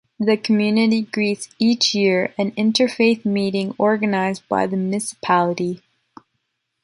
The community greets each year a interfaith meeting organized by the municipality.